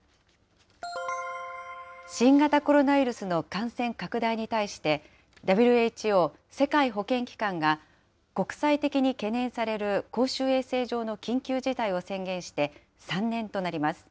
新型コロナウイルスの感染拡大に対して、ＷＨＯ・世界保健機関が国際的に懸念される公衆衛生上の緊急事態を宣言して３年となります。